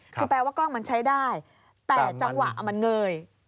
คือแปลว่ากล้องมันใช้ได้แต่จังหวะมันเงย